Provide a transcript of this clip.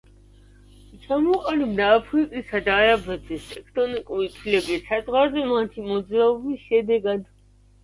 ჩამოყალიბდა აფრიკისა და არაბეთის ტექტონიკური ფილების საზღვარზე მათი მოძრაობის შედეგად.